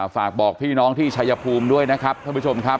ฝากบอกพี่น้องที่ชายภูมิด้วยนะครับท่านผู้ชมครับ